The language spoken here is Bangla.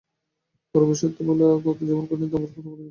পুরোপুরি সত্যি বলা যেমন কঠিন, আবার পুরোপুরি মিথ্যা বলাও কঠিন।